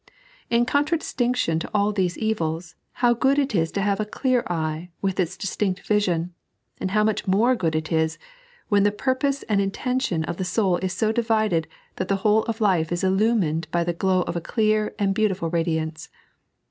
In contradistinction to all these evils, how good it is to have a clear eye, with its distinct vision ; and how much more good it is, when the purpose and intention of the sou) is so undivided that the whole of life is illumined by the glow of a clear and beautiful radiance.